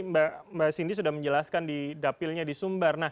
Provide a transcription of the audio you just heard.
mas abraham tadi mbak cindy sudah menjelaskan dapilnya